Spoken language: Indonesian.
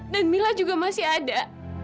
mila juga masih ada